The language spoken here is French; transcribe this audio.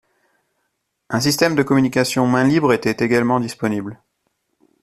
Un système de communication mains libres était également disponible.